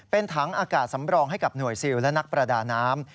เป็นถังอากาศสำรองให้กับหน่วยซิลและนักประดาน้ำ